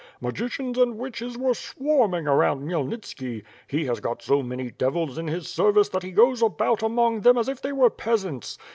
Magicians and witches were swarming around Khmyelnitski. lie has got so many devils in his service that he goes about among htem as if they were peasants.